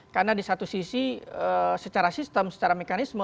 karena di satu sisi secara sistem secara mekanisme